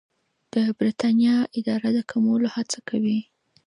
د بریتانیا اداره د کمولو هڅه کوي.